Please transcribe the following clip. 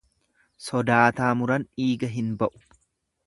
Sodaataa muran dhiiga hin ba'u.